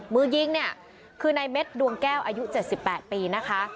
มือยิงเนี่ยคือนายเม็ดดวงแก้วอายุ๗๘ปีนะคะ